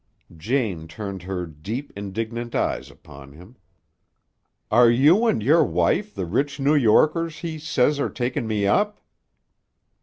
Jane turned her deep, indignant eyes upon him. "Are you and your wife the rich New Yorkers he says are takin' me up?"